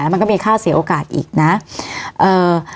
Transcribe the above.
แล้วมันก็มีค่าเสียโอกาสอีกนะเอ่อ